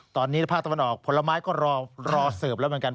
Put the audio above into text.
ตอนนี้ภาคตะวันออกผลไม้ก็รอเสิร์ฟแล้วเหมือนกัน